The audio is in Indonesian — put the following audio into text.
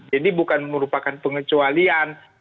jadi bukan merupakan pengecualian